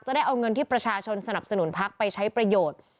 ได้เอาเงินที่ประชาชนสนับสนุนพักไปใช้ประโยชน์